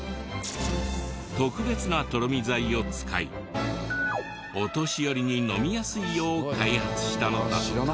特別なとろみ剤を使いお年寄りに飲みやすいよう開発したのだとか。